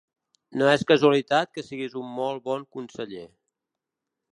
No és casualitat que siguis un molt bon conseller.